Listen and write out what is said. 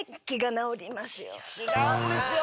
違うんですよ。